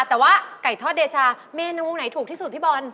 แต่ว่าไก่ทอดเดชาเมนูไหนถูกที่สุดพี่บอล